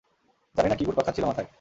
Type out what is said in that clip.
জানি না কী ঘুরপাক খাচ্ছিল মাথায়।